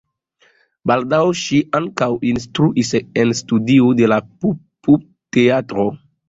Baldaŭ ŝi ankaŭ instruis en studio de la Pupteatro.